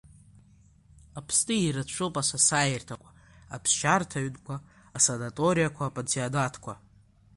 Аԥсны ирацәоуп асасааирҭақәа, аԥсшьарҭа ҩынқәа, асанаториақәа, апансионатқәа.